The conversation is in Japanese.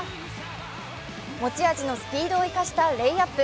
持ち味のスピードを生かしたレイアップ。